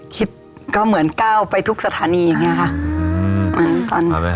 คิดก็เหมือนก้าวไปทุกสถานีอย่างนี้ค่ะ